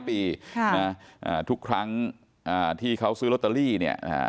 ปีค่ะนะทุกครั้งอ่าที่เขาซื้อลอตเตอรี่เนี่ยอ่า